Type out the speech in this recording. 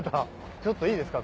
ちょっといいですか？